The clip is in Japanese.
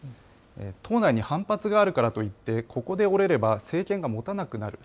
党内に反発があるからといって、ここで折れれば政権がもたなくなる。